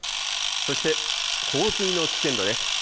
そして洪水の危険度です。